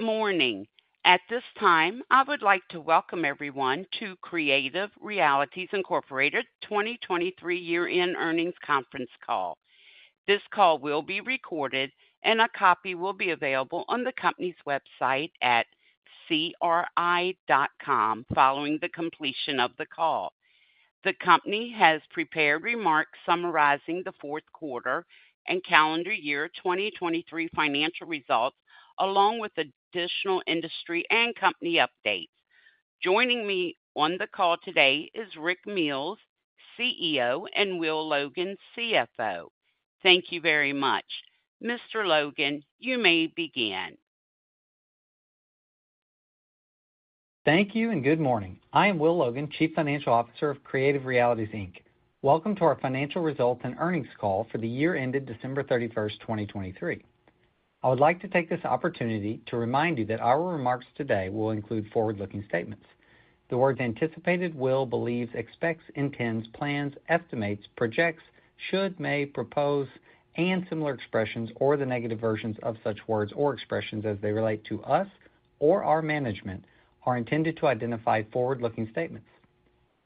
Good morning. At this time, I would like to welcome everyone to Creative Realities Inc 2023 year-end earnings conference call. This call will be recorded, and a copy will be available on the company's website at cri.com following the completion of the call. The company has prepared remarks summarizing the fourth quarter and calendar year 2023 financial results along with additional industry and company updates. Joining me on the call today is Rick Mills, CEO, and Will Logan, CFO. Thank you very much. Mr. Logan, you may begin. Thank you and good morning. I am Will Logan, Chief Financial Officer of Creative Realities Inc. Welcome to our financial results and earnings call for the year ended December 31st, 2023. I would like to take this opportunity to remind you that our remarks today will include forward-looking statements. The words "anticipated," "will," "believes," "expects," "intends," "plans," "estimates," "projects," "should," "may," "propose," and similar expressions or the negative versions of such words or expressions as they relate to us or our management are intended to identify forward-looking statements.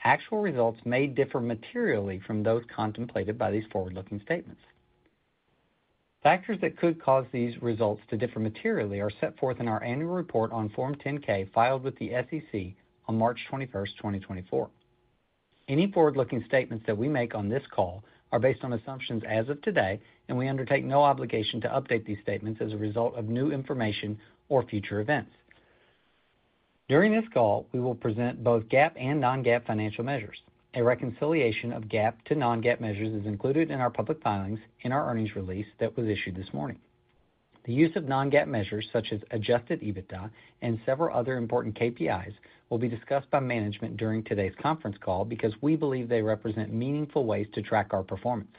Actual results may differ materially from those contemplated by these forward-looking statements. Factors that could cause these results to differ materially are set forth in our annual report on Form 10-K filed with the SEC on March 21st, 2024. Any forward-looking statements that we make on this call are based on assumptions as of today, and we undertake no obligation to update these statements as a result of new information or future events. During this call, we will present both GAAP and non-GAAP financial measures. A reconciliation of GAAP-to-non-GAAP measures is included in our public filings in our earnings release that was issued this morning. The use of non-GAAP measures such as Adjusted EBITDA and several other important KPIs will be discussed by management during today's conference call because we believe they represent meaningful ways to track our performance.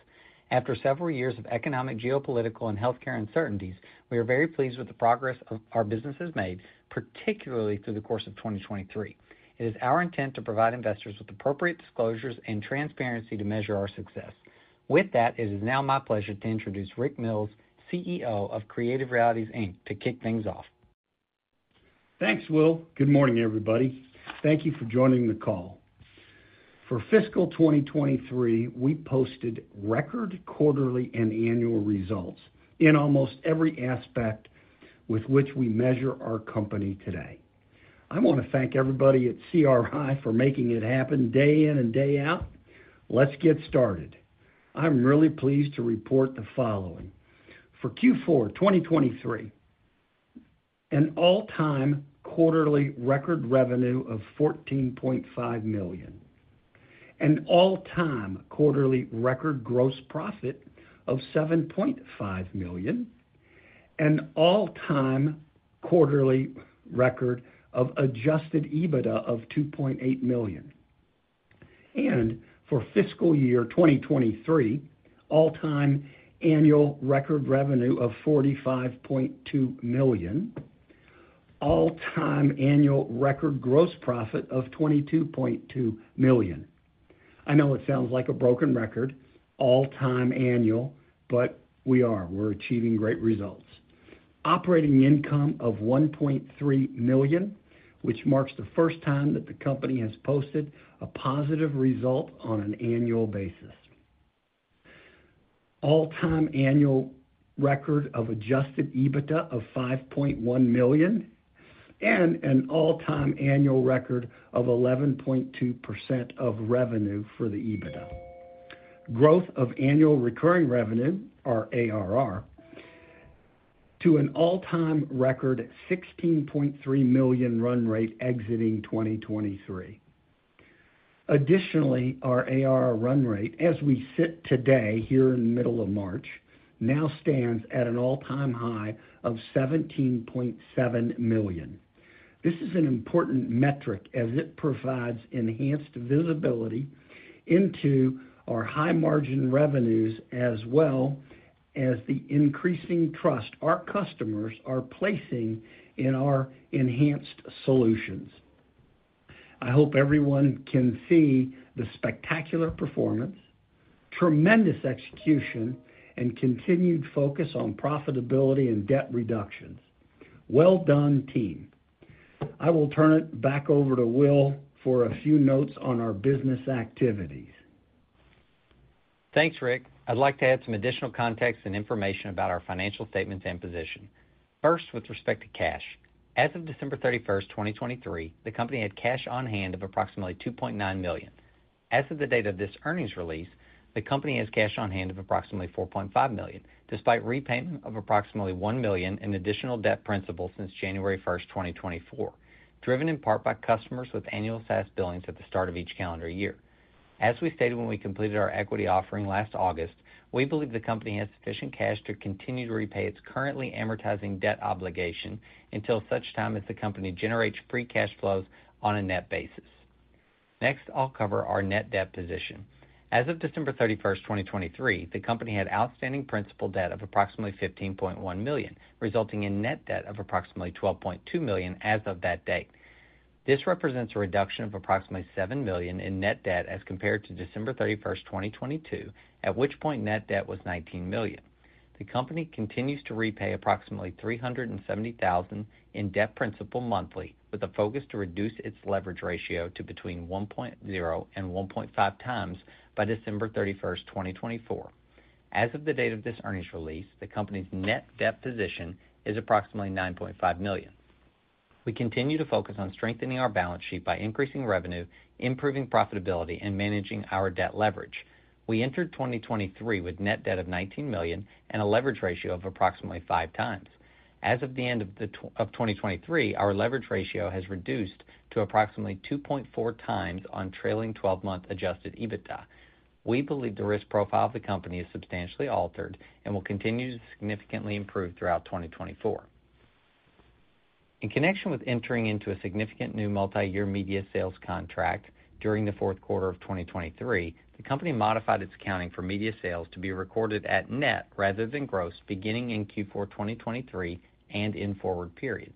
After several years of economic, geopolitical, and healthcare uncertainties, we are very pleased with the progress our business has made, particularly through the course of 2023. It is our intent to provide investors with appropriate disclosures and transparency to measure our success. With that, it is now my pleasure to introduce Rick Mills, CEO of Creative Realities Inc, to kick things off. Thanks, Will. Good morning, everybody. Thank you for joining the call. For fiscal 2023, we posted record quarterly and annual results in almost every aspect with which we measure our company today. I want to thank everybody at CRI for making it happen day in and day out. Let's get started. I'm really pleased to report the following: for Q4 2023, an all-time quarterly record revenue of $14.5 million, an all-time quarterly record gross profit of $7.5 million, an all-time quarterly record of Adjusted EBITDA of $2.8 million, and for fiscal year 2023, all-time annual record revenue of $45.2 million, all-time annual record gross profit of $22.2 million. I know it sounds like a broken record, all-time annual, but we are. We're achieving great results. Operating income of $1.3 million, which marks the first time that the company has posted a positive result on an annual basis. All-time annual record of Adjusted EBITDA of $5.1 million, and an all-time annual record of 11.2% of revenue for the EBITDA. Growth of annual recurring revenue, our ARR, to an all-time record $16.3 million run rate exiting 2023. Additionally, our ARR run rate as we sit today here in the middle of March now stands at an all-time high of $17.7 million. This is an important metric as it provides enhanced visibility into our high-margin revenues as well as the increasing trust our customers are placing in our enhanced solutions. I hope everyone can see the spectacular performance, tremendous execution, and continued focus on profitability and debt reductions. Well done, team. I will turn it back over to Will for a few notes on our business activities. Thanks, Rick. I'd like to add some additional context and information about our financial statements and position. First, with respect to cash, as of December 31st, 2023, the company had cash on hand of approximately $2.9 million. As of the date of this earnings release, the company has cash on hand of approximately $4.5 million, despite repayment of approximately $1 million in additional debt principal since January 1st, 2024, driven in part by customers with annual SaaS billings at the start of each calendar year. As we stated when we completed our equity offering last August, we believe the company has sufficient cash to continue to repay its currently amortizing debt obligation until such time as the company generates free cash flows on a net basis. Next, I'll cover our net debt position. As of December 31st, 2023, the company had outstanding principal debt of approximately $15.1 million, resulting in net debt of approximately $12.2 million as of that date. This represents a reduction of approximately $7 million in net debt as compared to December 31st, 2022, at which point net debt was $19 million. The company continues to repay approximately $370,000 in debt principal monthly, with a focus to reduce its leverage ratio to between 1.0x and 1.5x by December 31st, 2024. As of the date of this earnings release, the company's net debt position is approximately $9.5 million. We continue to focus on strengthening our balance sheet by increasing revenue, improving profitability, and managing our debt leverage. We entered 2023 with net debt of $19 million and a leverage ratio of approximately 5x. As of the end of 2023, our leverage ratio has reduced to approximately 2.4x on trailing 12-month Adjusted EBITDA. We believe the risk profile of the company is substantially altered and will continue to significantly improve throughout 2024. In connection with entering into a significant new multi-year media sales contract during the Q4 of 2023, the company modified its accounting for media sales to be recorded at net rather than gross, beginning in Q4 2023 and in forward periods.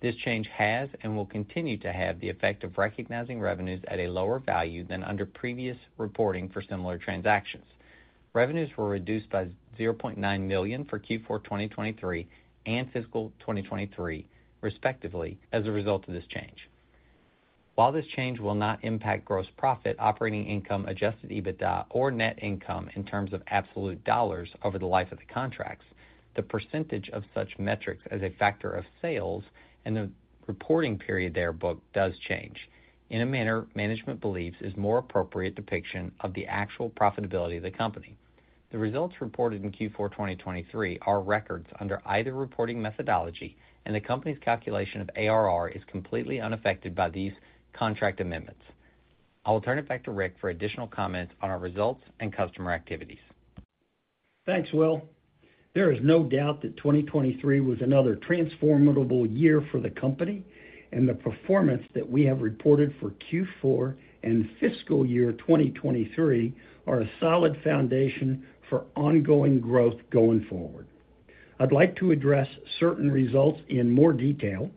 This change has and will continue to have the effect of recognizing revenues at a lower value than under previous reporting for similar transactions. Revenues were reduced by $0.9 million for Q4 2023 and fiscal 2023, respectively, as a result of this change. While this change will not impact gross profit, operating income, Adjusted EBITDA, or net income in terms of absolute dollars over the life of the contracts, the percentage of such metrics as a factor of sales and the reporting period they are booked does change, in a manner management believes is more appropriate depiction of the actual profitability of the company. The results reported in Q4 2023 are records under either reporting methodology, and the company's calculation of ARR is completely unaffected by these contract amendments. I will turn it back to Rick for additional comments on our results and customer activities. Thanks, Will. There is no doubt that 2023 was another transformable year for the company, and the performance that we have reported for Q4 and fiscal year 2023 are a solid foundation for ongoing growth going forward. I'd like to address certain results in more detail,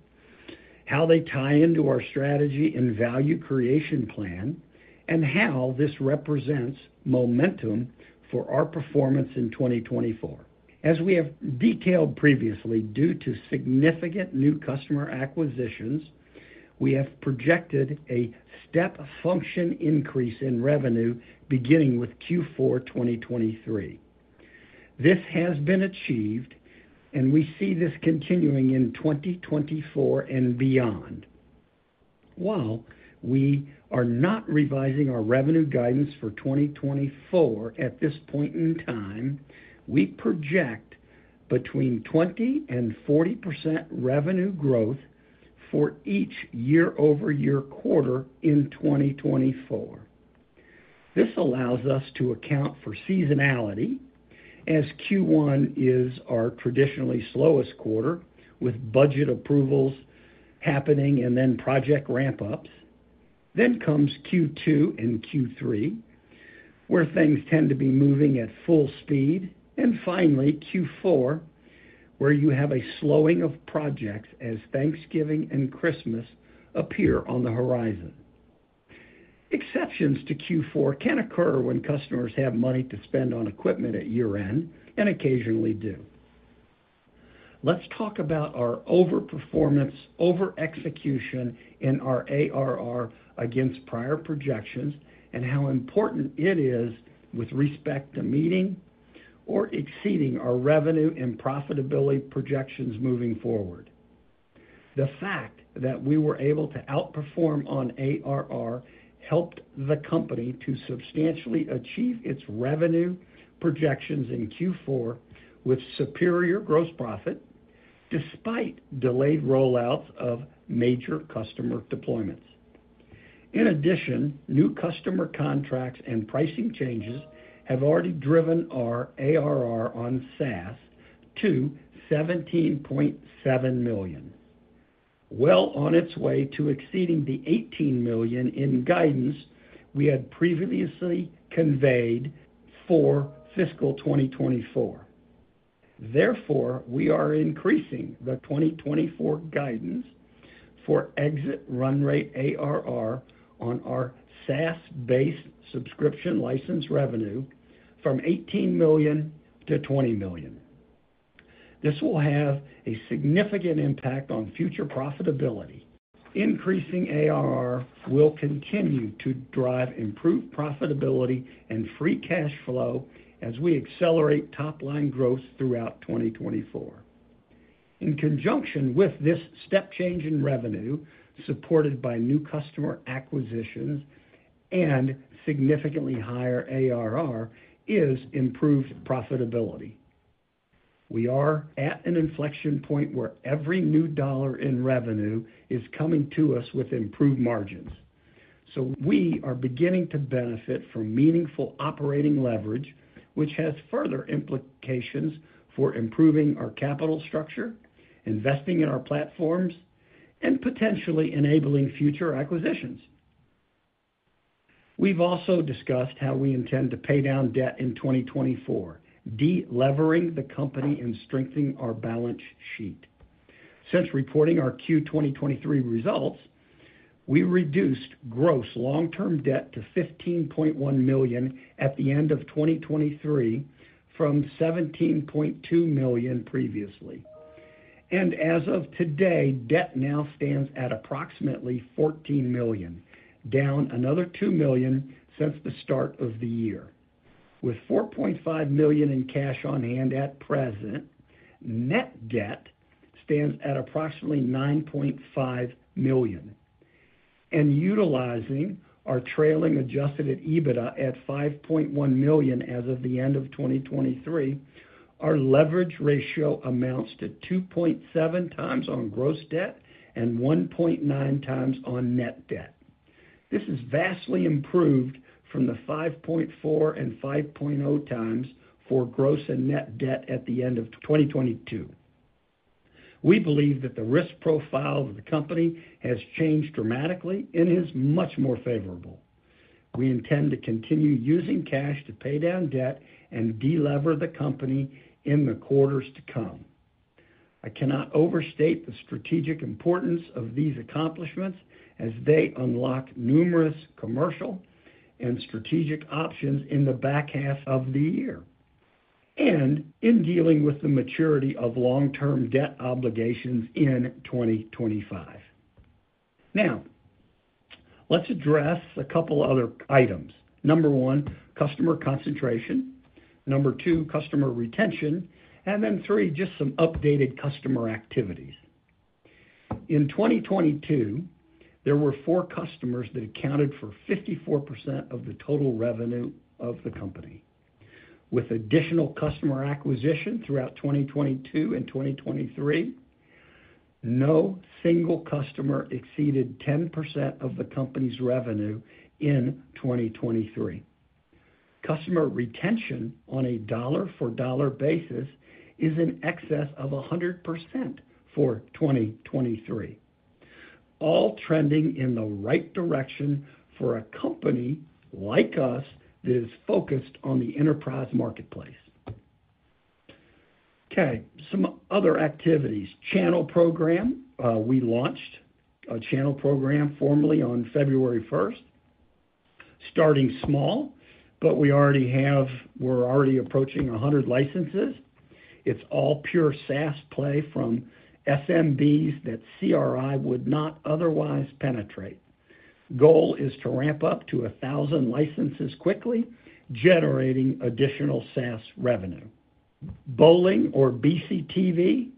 how they tie into our strategy and value creation plan, and how this represents momentum for our performance in 2024. As we have detailed previously, due to significant new customer acquisitions, we have projected a step function increase in revenue beginning with Q4 2023. This has been achieved, and we see this continuing in 2024 and beyond. While we are not revising our revenue guidance for 2024 at this point in time, we project between 20% and 40% revenue growth for each year-over-year quarter in 2024. This allows us to account for seasonality, as Q1 is our traditionally slowest quarter, with budget approvals happening and then project ramp-ups. Then comes Q2 and Q3, where things tend to be moving at full speed, and finally Q4, where you have a slowing of projects as Thanksgiving and Christmas appear on the horizon. Exceptions to Q4 can occur when customers have money to spend on equipment at year-end and occasionally do. Let's talk about our overperformance, over-execution in our ARR against prior projections, and how important it is with respect to meeting or exceeding our revenue and profitability projections moving forward. The fact that we were able to outperform on ARR helped the company to substantially achieve its revenue projections in Q4 with superior gross profit, despite delayed rollouts of major customer deployments. In addition, new customer contracts and pricing changes have already driven our ARR on SaaS to $17.7 million. Well on its way to exceeding the $18 million in guidance we had previously conveyed for fiscal 2024. Therefore, we are increasing the 2024 guidance for exit run rate ARR on our SaaS-based subscription license revenue from $18 million to $20 million. This will have a significant impact on future profitability. Increasing ARR will continue to drive improved profitability and free cash flow as we accelerate top-line growth throughout 2024. In conjunction with this step change in revenue supported by new customer acquisitions and significantly higher ARR is improved profitability. We are at an inflection point where every new dollar in revenue is coming to us with improved margins. We are beginning to benefit from meaningful operating leverage, which has further implications for improving our capital structure, investing in our platforms, and potentially enabling future acquisitions. We've also discussed how we intend to pay down debt in 2024, de-levering the company and strengthening our balance sheet. Since reporting our Q 2023 results, we reduced gross long-term debt to $15.1 million at the end of 2023 from $17.2 million previously. As of today, debt now stands at approximately $14 million, down another $2 million since the start of the year. With $4.5 million in cash on hand at present, net debt stands at approximately $9.5 million. Utilizing our trailing Adjusted EBITDA at $5.1 million as of the end of 2023, our leverage ratio amounts to 2.7x on gross debt and 1.9x on net debt. This is vastly improved from the 5.4x and 5.0x for gross and net debt at the end of 2022. We believe that the risk profile of the company has changed dramatically and is much more favorable. We intend to continue using cash to pay down debt and de-lever the company in the quarters to come. I cannot overstate the strategic importance of these accomplishments as they unlock numerous commercial and strategic options in the back half of the year and in dealing with the maturity of long-term debt obligations in 2025. Now, let's address a couple of other items. Number one, customer concentration. Number two, customer retention. And then three, just some updated customer activities. In 2022, there were four customers that accounted for 54% of the total revenue of the company. With additional customer acquisition throughout 2022 and 2023, no single customer exceeded 10% of the company's revenue in 2023. Customer retention on a dollar-for-dollar basis is in excess of 100% for 2023, all trending in the right direction for a company like us that is focused on the enterprise marketplace. Okay, some other activities. Channel program. We launched a channel program formally on February 1st, starting small, but we're already approaching 100 licenses. It's all pure SaaS play from SMBs that CRI would not otherwise penetrate. Goal is to ramp up to 1,000 licenses quickly, generating additional SaaS revenue. Bowling or BCTV,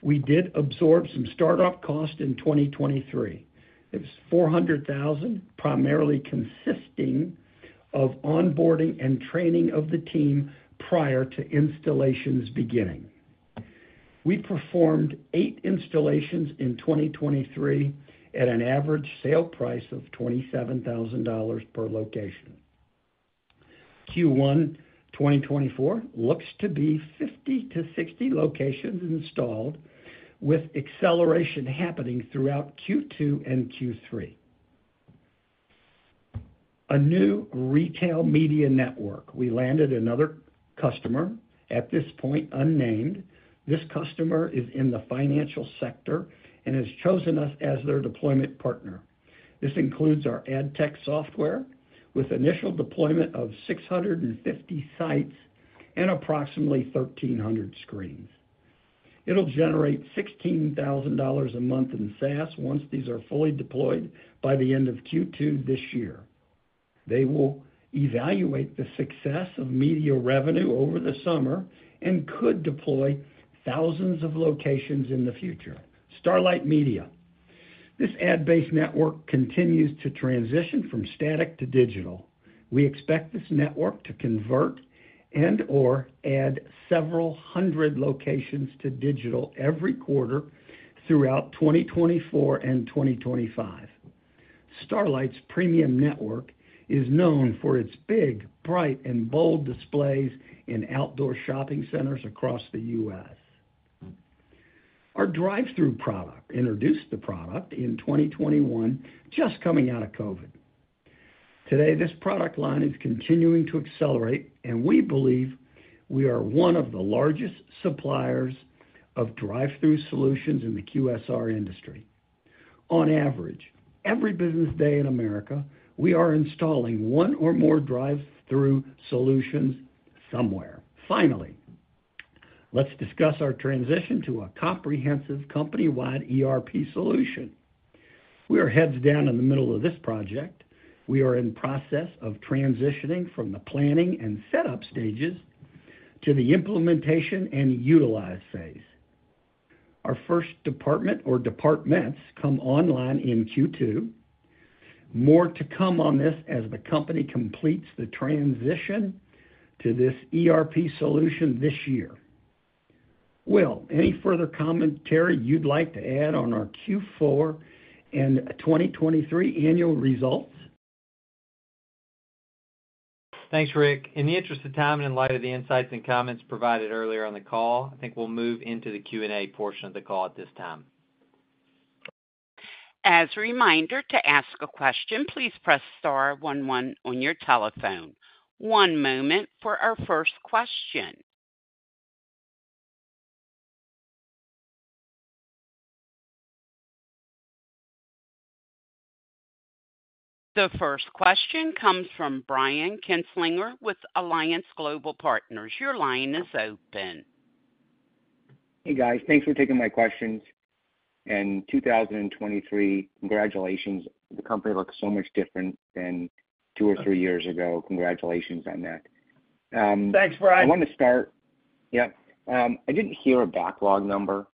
we did absorb some startup cost in 2023. It was $400,000, primarily consisting of onboarding and training of the team prior to installations beginning. We performed eight installations in 2023 at an average sale price of $27,000 per location. Q1 2024 looks to be 50-60 locations installed, with acceleration happening throughout Q2 and Q3. A new retail media network. We landed another customer, at this point unnamed. This customer is in the financial sector and has chosen us as their deployment partner. This includes our AdTech software with initial deployment of 650 sites and approximately 1,300 screens. It'll generate $16,000 a month in SaaS once these are fully deployed by the end of Q2 this year. They will evaluate the success of media revenue over the summer and could deploy thousands of locations in the future. Starlite Media. This ad-based network continues to transition from static to digital. We expect this network to convert and/or add several hundred locations to digital every quarter throughout 2024 and 2025. Starlite's premium network is known for its big, bright, and bold displays in outdoor shopping centers across the U.S. Our drive-thru product introduced the product in 2021, just coming out of COVID. Today, this product line is continuing to accelerate, and we believe we are one of the largest suppliers of drive-thru solutions in the QSR industry. On average, every business day in America, we are installing one or more drive-thru solutions somewhere. Finally, let's discuss our transition to a comprehensive company-wide ERP solution. We are heads down in the middle of this project. We are in the process of transitioning from the planning and setup stages to the implementation and utilize phase. Our first department or departments come online in Q2. More to come on this as the company completes the transition to this ERP solution this year. Will, any further commentary you'd like to add on our Q4 and 2023 annual results? Thanks, Rick. In the interest of time and in light of the insights and comments provided earlier on the call, I think we'll move into the Q&A portion of the call at this time. As a reminder, to ask a question, please press star one one on your telephone. One moment for our first question. The first question comes from Brian Kinstlinger with Alliance Global Partners. Your line is open. Hey, guys. Thanks for taking my questions. And 2023, congratulations. The company looks so much different than two or three years ago. Congratulations on that. Thanks, Brian. I want to start, yep. I didn't hear a backlog number.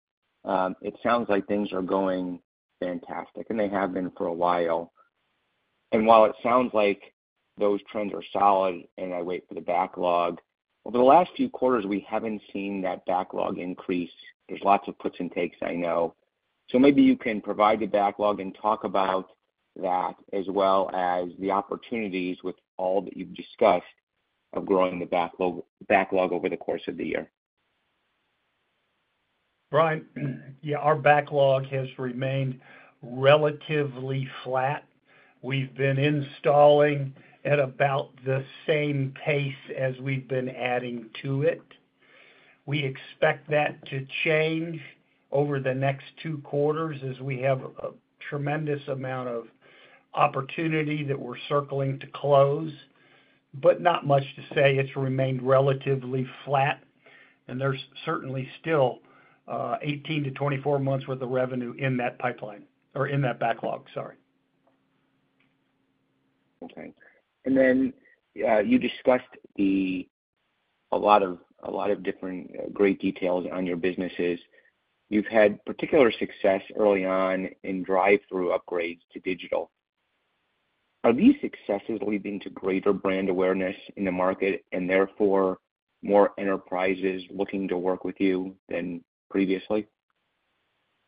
It sounds like things are going fantastic, and they have been for a while. And while it sounds like those trends are solid and I wait for the backlog, over the last few quarters, we haven't seen that backlog increase. There's lots of puts and takes, I know. So maybe you can provide the backlog and talk about that as well as the opportunities with all that you've discussed of growing the backlog over the course of the year. Brian, yeah, our backlog has remained relatively flat. We've been installing at about the same pace as we've been adding to it. We expect that to change over the next two quarters as we have a tremendous amount of opportunity that we're circling to close, but not much to say. It's remained relatively flat, and there's certainly still 18-24 months' worth of revenue in that pipeline or in that backlog, sorry. Okay. And then you discussed a lot of different great details on your businesses. You've had particular success early on in drive-thru upgrades to digital. Are these successes leading to greater brand awareness in the market and therefore more enterprises looking to work with you than previously?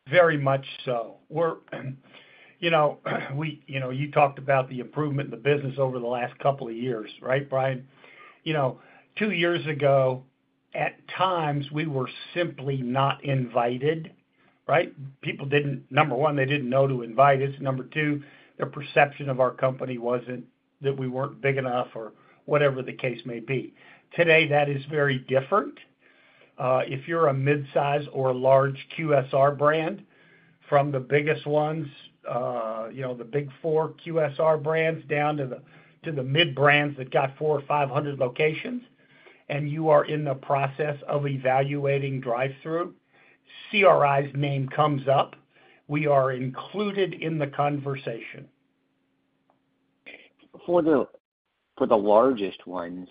Very much so. You talked about the improvement in the business over the last couple of years, right, Brian? Two years ago, at times, we were simply not invited, right? Number one, they didn't know to invite us. Number two, their perception of our company wasn't that we weren't big enough or whatever the case may be. Today, that is very different. If you're a midsize or a large QSR brand from the biggest ones, the Big 4 QSR brands down to the mid-brands that got 400 or 500 locations, and you are in the process of evaluating drive-thru, CRI's name comes up. We are included in the conversation. For the largest ones,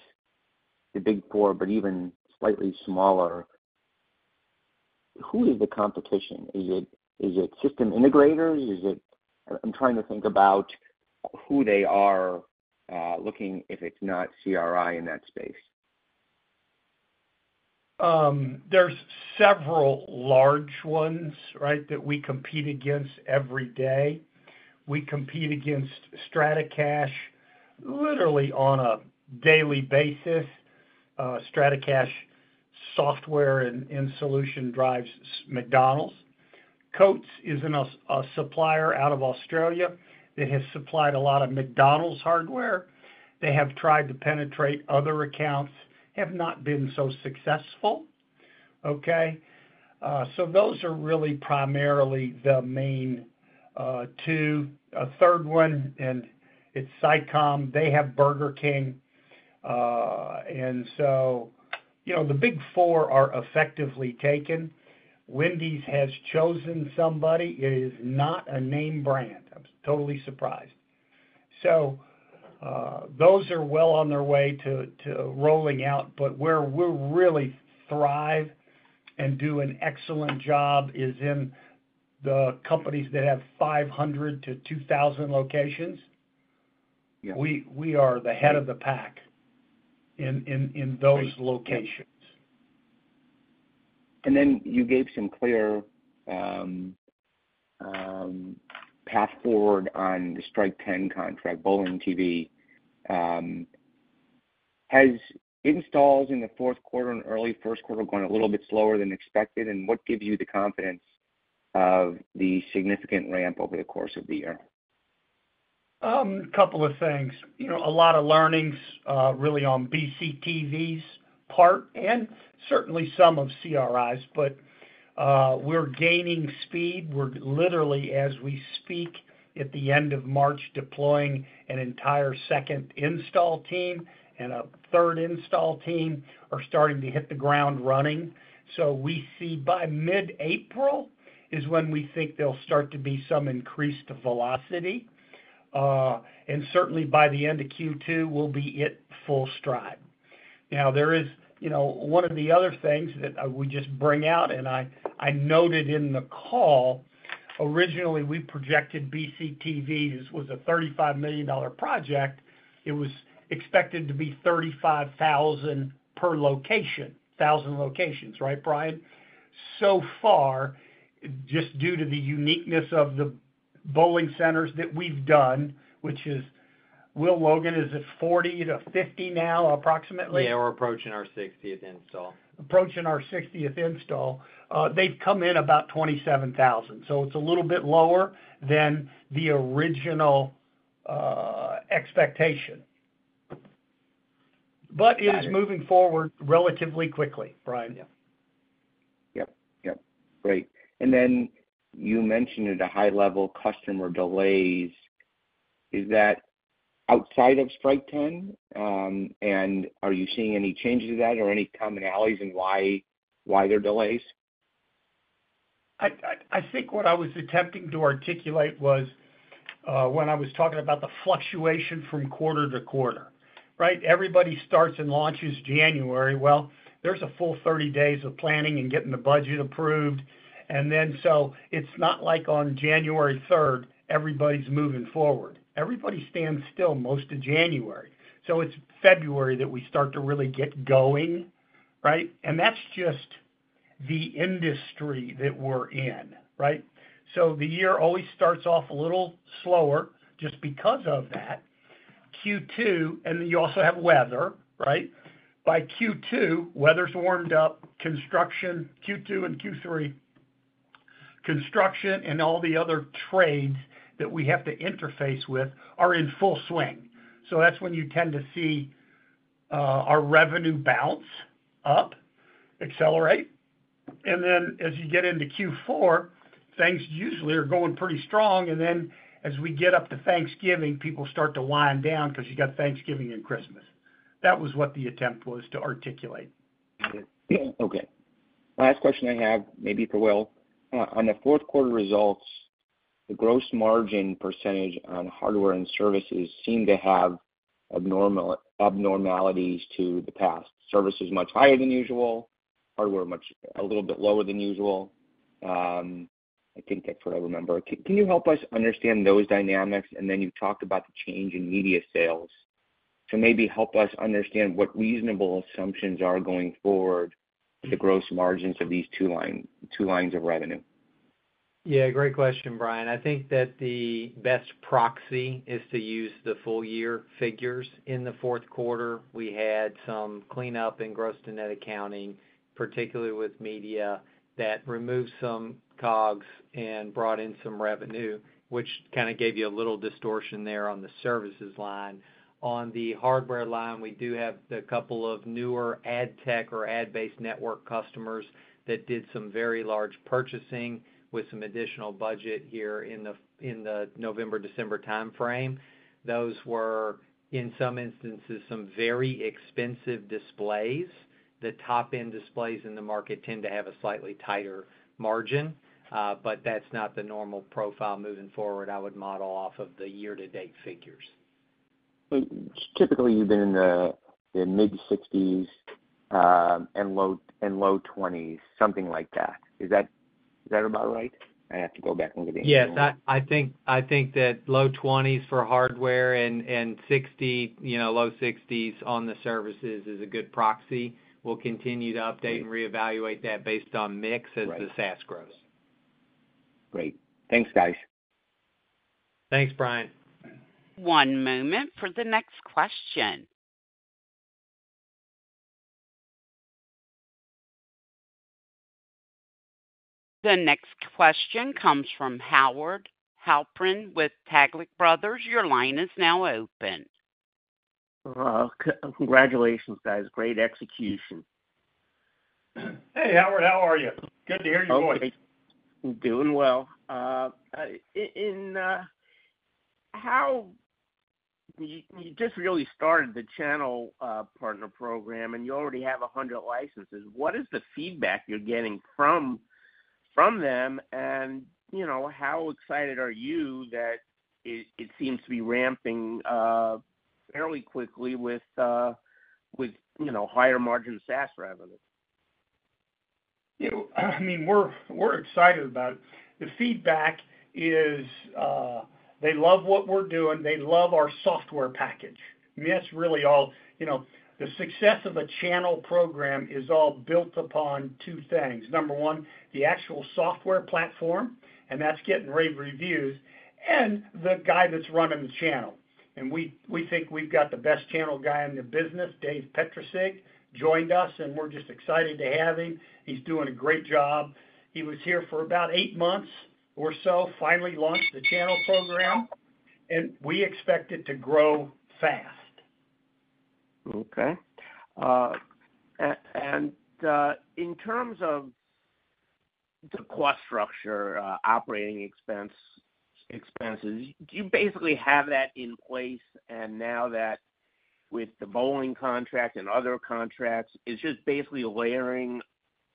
the Big 4, but even slightly smaller, who is the competition? Is it system integrators? I'm trying to think about who they are looking if it's not CRI in that space. There's several large ones, right, that we compete against every day. We compete against STRATACACHE literally on a daily basis. STRATACACHE software and solution drives McDonald's. Coates is a supplier out of Australia that has supplied a lot of McDonald's hardware. They have tried to penetrate other accounts, have not been so successful. Okay? So those are really primarily the main two. A third one, and it's SICOM. They have Burger King. And so the Big 4 are effectively taken. Wendy's has chosen somebody. It is not a name brand. I'm totally surprised. So those are well on their way to rolling out. But where we'll really thrive and do an excellent job is in the companies that have 500-2,000 locations. We are the head of the pack in those locations. And then you gave some clear path forward on the Strike Ten contract, Bowling Center TV. Has installs in the fourth quarter and early first quarter gone a little bit slower than expected? And what gives you the confidence of the significant ramp over the course of the year? A couple of things. A lot of learnings, really, on BCTV's part and certainly some of CRI's, but we're gaining speed. Literally, as we speak at the end of March, deploying an entire second install team and a third install team are starting to hit the ground running. So we see by mid-April is when we think there'll start to be some increased velocity. And certainly, by the end of Q2, we'll be at full stride. Now, there is one of the other things that we just bring out, and I noted in the call. Originally, we projected BCTV. This was a $35 million project. It was expected to be $35,000 per location, 1,000 locations, right, Brian? So far, just due to the uniqueness of the bowling centers that we've done, which is Will Logan, is it 40-50 now, approximately? Yeah, we're approaching our 60th install. Approaching our 60th install. They've come in about 27,000. So it's a little bit lower than the original expectation. But it is moving forward relatively quickly, Brian. Yep. Yep. Great. And then you mentioned, at a high level, customer delays. Is that outside of Strike Ten? And are you seeing any changes to that or any commonalities in why there are delays? I think what I was attempting to articulate was when I was talking about the fluctuation from quarter to quarter, right? Everybody starts and launches January. Well, there's a full 30 days of planning and getting the budget approved. And then so it's not like on January 3rd, everybody's moving forward. Everybody stands still most of January. So it's February that we start to really get going, right? And that's just the industry that we're in, right? So the year always starts off a little slower just because of that. Q2, and then you also have weather, right? By Q2, weather's warmed up. Q2 and Q3, construction and all the other trades that we have to interface with are in full swing. So that's when you tend to see our revenue bounce up, accelerate. And then as you get into Q4, things usually are going pretty strong. And then as we get up to Thanksgiving, people start to wind down because you got Thanksgiving and Christmas. That was what the attempt was to articulate. Okay. Last question I have, maybe for Will. On the fourth quarter results, the gross margin percentage on hardware and services seem to have abnormalities to the past. Services much higher than usual, hardware a little bit lower than usual. I think that's what I remember. Can you help us understand those dynamics? And then you talked about the change in media sales. So maybe help us understand what reasonable assumptions are going forward with the gross margins of these two lines of revenue. Yeah, great question, Brian. I think that the best proxy is to use the full-year figures. In the fourth quarter, we had some cleanup in gross net accounting, particularly with media, that removed some COGS and brought in some revenue, which kind of gave you a little distortion there on the services line. On the hardware line, we do have a couple of newer AdTech or ad-based network customers that did some very large purchasing with some additional budget here in the November, December timeframe. Those were, in some instances, some very expensive displays. The top-end displays in the market tend to have a slightly tighter margin, but that's not the normal profile moving forward, I would model off of the year-to-date figures. Typically, you've been in the mid 60s and low 20s, something like that. Is that about right? I have to go back and get the answer. Yes. I think that low 20s for hardware and low 60s on the services is a good proxy. We'll continue to update and reevaluate that based on mix as the SaaS grows. Great. Thanks, guys. Thanks, Brian. One moment for the next question. The next question comes from Howard Halpern with Taglich Brothers. Your line is now open. Congratulations, guys. Great execution. Hey, Howard. How are you? Good to hear your voice. I'm doing well. You just really started the channel partner program, and you already have 100 licenses. What is the feedback you're getting from them, and how excited are you that it seems to be ramping fairly quickly with higher margin SaaS revenue? I mean, we're excited about it. The feedback is they love what we're doing. They love our software package. I mean, that's really all. The success of a channel program is all built upon two things. Number one, the actual software platform, and that's getting rave reviews, and the guy that's running the channel. And we think we've got the best channel guy in the business, Dave Petricig, joined us, and we're just excited to have him. He's doing a great job. He was here for about eight months or so, finally launched the channel program, and we expect it to grow fast. Okay. And in terms of the cost structure, operating expenses, do you basically have that in place? And now that with the bowling contract and other contracts, it's just basically layering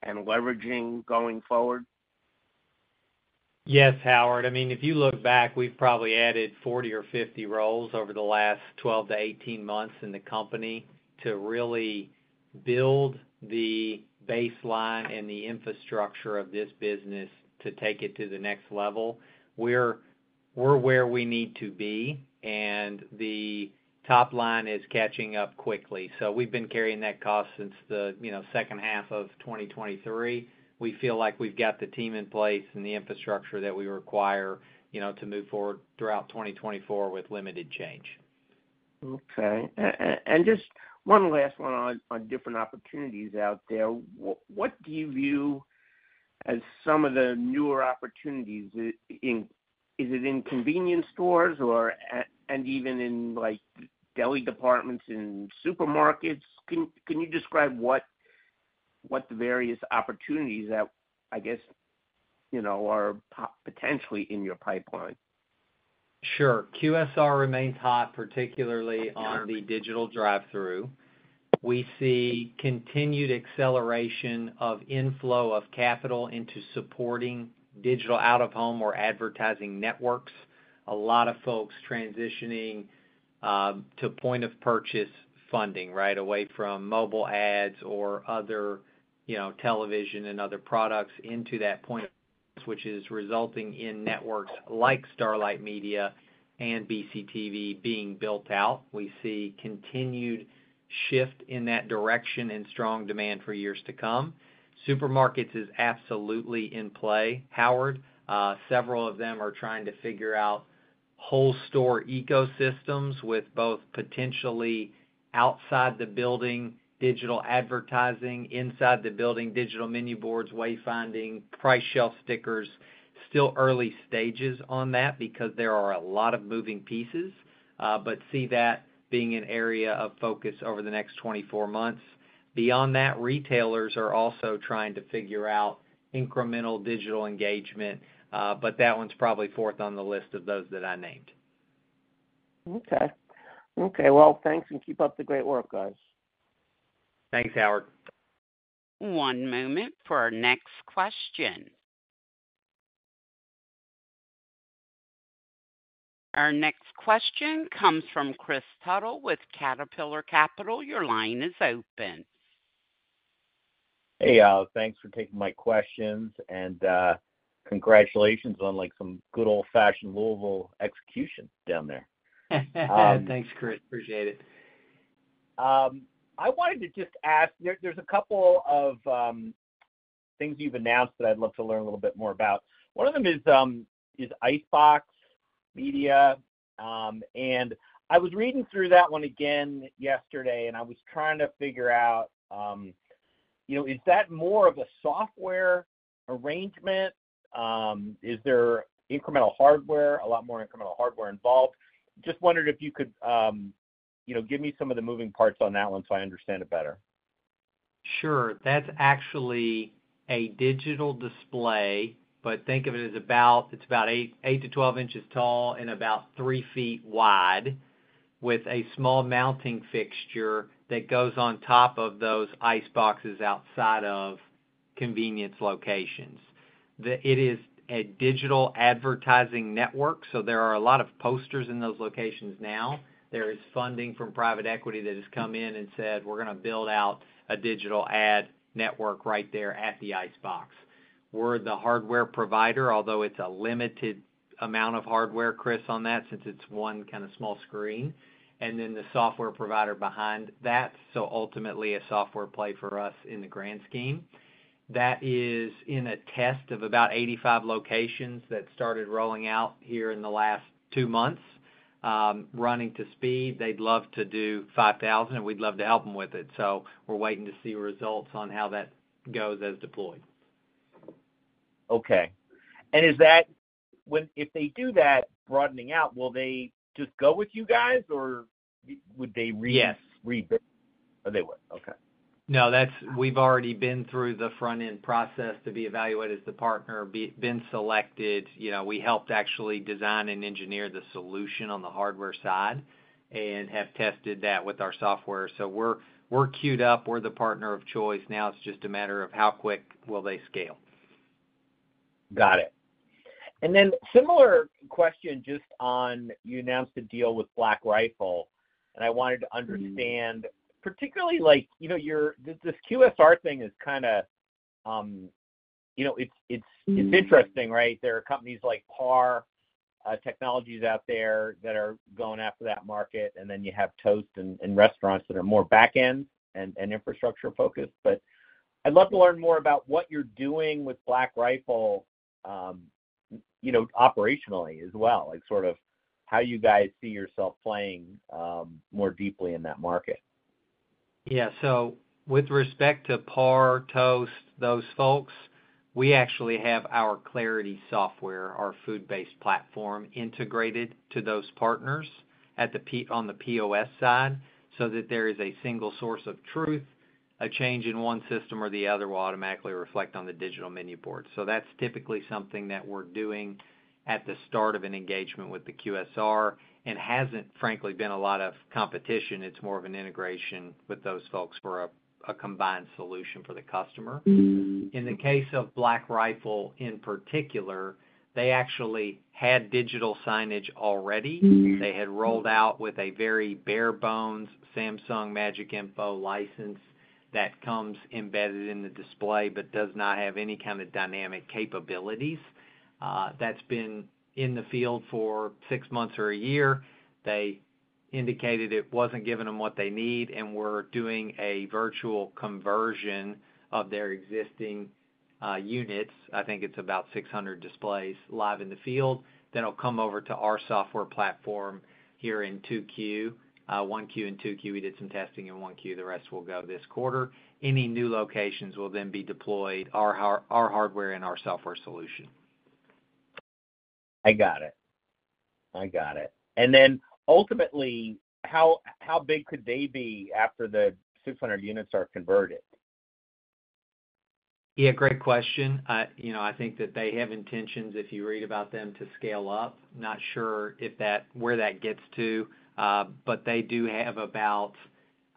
and leveraging going forward? Yes, Howard. I mean, if you look back, we've probably added 40 or 50 roles over the last 12-18 months in the company to really build the baseline and the infrastructure of this business to take it to the next level. We're where we need to be, and the top line is catching up quickly. So we've been carrying that cost since the second half of 2023. We feel like we've got the team in place and the infrastructure that we require to move forward throughout 2024 with limited change. Okay. Just one last one on different opportunities out there. What do you view as some of the newer opportunities? Is it in convenience stores and even in deli departments in supermarkets? Can you describe what the various opportunities that, I guess, are potentially in your pipeline? Sure. QSR remains hot, particularly on the digital drive-thru. We see continued acceleration of inflow of capital into supporting digital out-of-home or advertising networks. A lot of folks transitioning to point-of-purchase funding, right, away from mobile ads or other television and other products into that point of purchase, which is resulting in networks like Starlite Media and BCTV being built out. We see continued shift in that direction and strong demand for years to come. Supermarkets is absolutely in play, Howard. Several of them are trying to figure out whole-store ecosystems with both potentially outside-the-building digital advertising, inside-the-building digital menu boards, wayfinding, price shelf stickers. Still early stages on that because there are a lot of moving pieces, but see that being an area of focus over the next 24 months. Beyond that, retailers are also trying to figure out incremental digital engagement, but that one's probably fourth on the list of those that I named. Okay. Okay. Well, thanks, and keep up the great work, guys. Thanks, Howard. One moment for our next question. Our next question comes from Kris Tuttle with Caterpillar Capital. Your line is open. Hey, thanks for taking my questions, and congratulations on some good old-fashioned Louisville execution down there. Thanks, Kris. Appreciate it. I wanted to just ask, there's a couple of things you've announced that I'd love to learn a little bit more about. One of them is Icebox media. And I was reading through that one again yesterday, and I was trying to figure out, is that more of a software arrangement? Is there incremental hardware, a lot more incremental hardware involved? Just wondered if you could give me some of the moving parts on that one so I understand it better. Sure. That's actually a digital display, but think of it as about 8-12 inches tall and about 3 feet wide with a small mounting fixture that goes on top of those Iceboxes outside of convenience locations. It is a digital advertising network, so there are a lot of posters in those locations now. There is funding from private equity that has come in and said, "We're going to build out a digital ad network right there at the Icebox." We're the hardware provider, although it's a limited amount of hardware, Kris, on that since it's one kind of small screen, and then the software provider behind that. So ultimately, a software play for us in the grand scheme. That is in a test of about 85 locations that started rolling out here in the last two months, running to speed. They'd love to do 5,000, and we'd love to help them with it. So we're waiting to see results on how that goes as deployed. Okay. And if they do that broadening out, will they just go with you guys, or would they rebuild? Yes. Oh, they would. Okay. No, we've already been through the front-end process to be evaluated as the partner, been selected. We helped actually design and engineer the solution on the hardware side and have tested that with our software. So we're queued up. We're the partner of choice. Now it's just a matter of how quick will they scale? Got it. Then similar question just on, you announced a deal with Black Rifle, and I wanted to understand, particularly this QSR thing is kind of interesting, right? There are companies like PAR Technology out there that are going after that market, and then you have Toast and restaurants that are more back-end and infrastructure-focused. But I'd love to learn more about what you're doing with Black Rifle operationally as well, sort of how you guys see yourself playing more deeply in that market. Yeah. So with respect to PAR, Toast, those folks, we actually have our Clarity Software, our food-based platform, integrated to those partners on the POS side so that there is a single source of truth. A change in one system or the other will automatically reflect on the digital menu board. So that's typically something that we're doing at the start of an engagement with the QSR and hasn't, frankly, been a lot of competition. It's more of an integration with those folks for a combined solution for the customer. In the case of Black Rifle in particular, they actually had digital signage already. They had rolled out with a very bare-bones Samsung MagicINFO license that comes embedded in the display but does not have any kind of dynamic capabilities. That's been in the field for six months or a year. They indicated it wasn't giving them what they need, and we're doing a virtual conversion of their existing units. I think it's about 600 displays live in the field that'll come over to our software platform here in 2Q. 1Q and 2Q, we did some testing in 1Q. The rest will go this quarter. Any new locations will then be deployed. Our hardware and our software solution. I got it. I got it. And then ultimately, how big could they be after the 600 units are converted? Yeah, great question. I think that they have intentions, if you read about them, to scale up. Not sure where that gets to, but they do have about,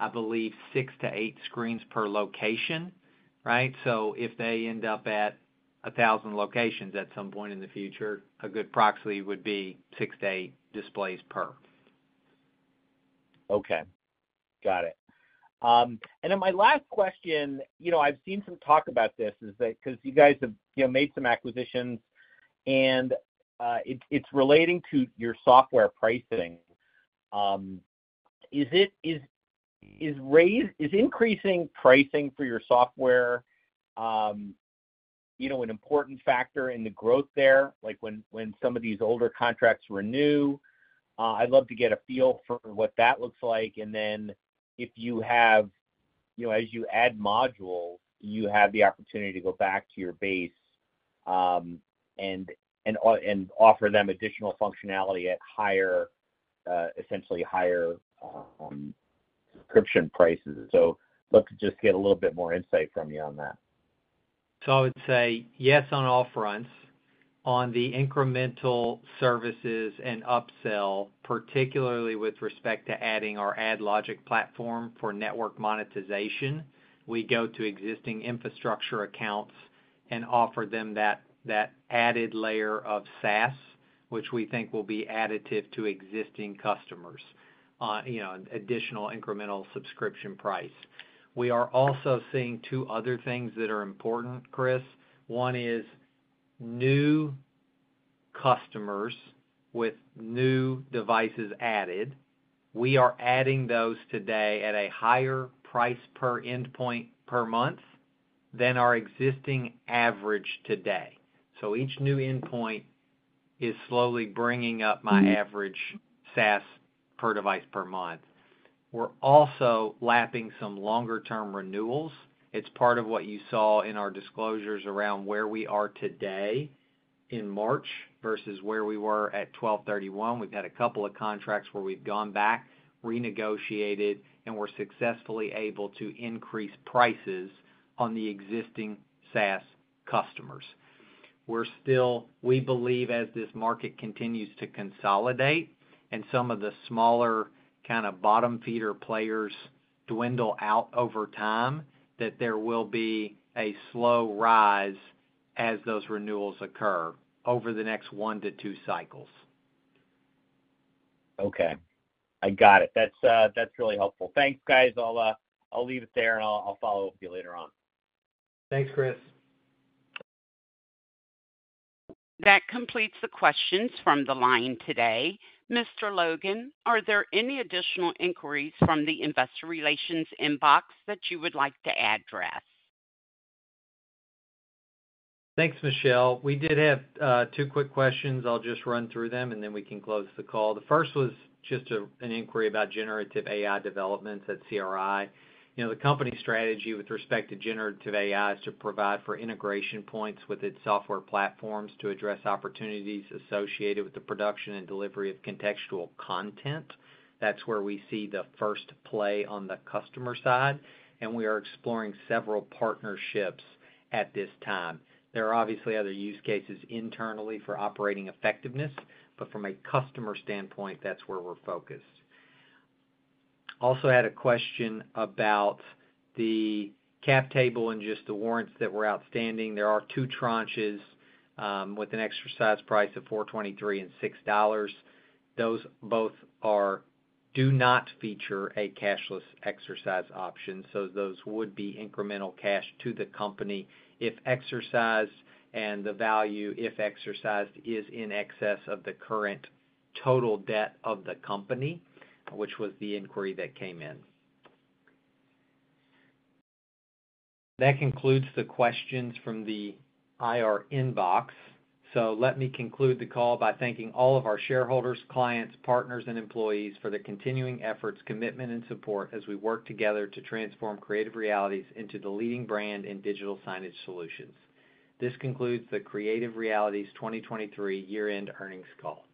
I believe, 6-8 screens per location, right? So if they end up at 1,000 locations at some point in the future, a good proxy would be 6-8 displays per. Okay. Got it. And then my last question, I've seen some talk about this because you guys have made some acquisitions, and it's relating to your software pricing. Is increasing pricing for your software an important factor in the growth there when some of these older contracts renew? I'd love to get a feel for what that looks like. And then if you have, as you add modules, you have the opportunity to go back to your base and offer them additional functionality at essentially higher subscription prices. So I'd love to just get a little bit more insight from you on that. So I would say yes on all fronts. On the incremental services and upsell, particularly with respect to adding our AdLogic platform for network monetization, we go to existing infrastructure accounts and offer them that added layer of SaaS, which we think will be additive to existing customers, additional incremental subscription price. We are also seeing two other things that are important, Kris. One is new customers with new devices added. We are adding those today at a higher price per endpoint per month than our existing average today. So each new endpoint is slowly bringing up my average SaaS per device per month. We're also lapping some longer-term renewals. It's part of what you saw in our disclosures around where we are today in March versus where we were at December 31st. We've had a couple of contracts where we've gone back, renegotiated, and we're successfully able to increase prices on the existing SaaS customers. We believe, as this market continues to consolidate and some of the smaller kind of bottom feeder players dwindle out over time, that there will be a slow rise as those renewals occur over the next one to two cycles. Okay. I got it. That's really helpful. Thanks, guys. I'll leave it there, and I'll follow up with you later on. Thanks, Kris. That completes the questions from the line today. Mr. Logan, are there any additional inquiries from the Investor Relations inbox that you would like to address? Thanks, Michelle. We did have two quick questions. I'll just run through them, and then we can close the call. The first was just an inquiry about Generative AI developments at CRI. The company's strategy with respect to Generative AI is to provide for integration points with its software platforms to address opportunities associated with the production and delivery of contextual content. That's where we see the first play on the customer side, and we are exploring several partnerships at this time. There are obviously other use cases internally for operating effectiveness, but from a customer standpoint, that's where we're focused. Also had a question about the cap table and just the warrants that were outstanding. There are two tranches with an exercise price of $423 and $6. Those both do not feature a cashless exercise option, so those would be incremental cash to the company if exercised and the value if exercised is in excess of the current total debt of the company, which was the inquiry that came in. That concludes the questions from the IR inbox. So let me conclude the call by thanking all of our shareholders, clients, partners, and employees for their continuing efforts, commitment, and support as we work together to transform Creative Realities into the leading brand in digital signage solutions. This concludes the Creative Realities 2023 year-end earnings call.